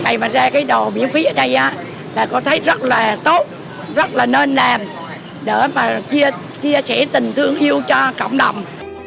ngày mà ra cái đồ miễn phí ở đây là có thấy rất là tốt rất là nên làm để chia sẻ tình thương yêu cho cộng đồng